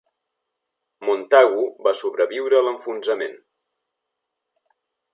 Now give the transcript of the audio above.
Montagu va sobreviure a l'enfonsament.